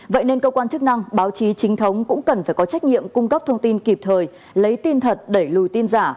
vậy nên cơ quan chức năng báo chí trinh thống cũng cần phải có trách nhiệm cung cấp thông tin kịp thời lấy tin thật đẩy lùi tin giả